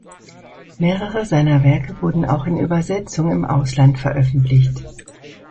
Mehrere seiner Werke wurden auch in Übersetzung im Ausland veröffentlicht.